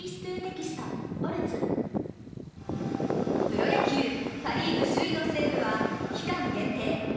プロ野球、パ・リーグ首位の西武は期間限定